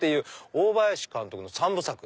大林監督の三部作！